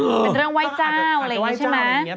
เป็นเรื่องไว้เจ้าอะไรอย่างนี้